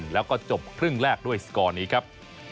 แล้วก็จบครึ่งแรกด้วยสกอร์นี้ครับ